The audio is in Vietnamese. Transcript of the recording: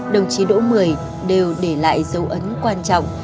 đồng chí đỗ mười đều để lại dấu ấn quan trọng